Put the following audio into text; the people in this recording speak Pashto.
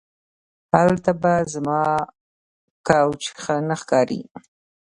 هلته به زما کوچ ښه نه ښکاري